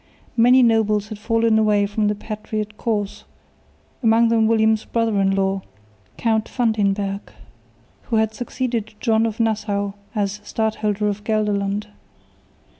Many nobles had fallen away from the patriot cause, among them William's brother in law, Count van den Berg, who had succeeded John of Nassau as Stadholder of Gelderland.